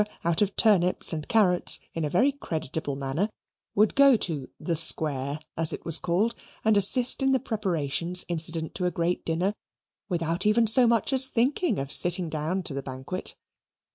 out of turnips and carrots in a very creditable manner, would go to "the Square," as it was called, and assist in the preparations incident to a great dinner, without even so much as thinking of sitting down to the banquet.